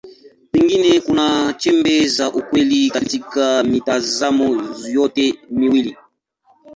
Pengine kuna chembe za ukweli katika mitazamo yote miwili.